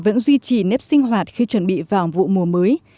vẫn duy trì nếp sinh hoạt khi chuẩn bị vào vụ mùa mới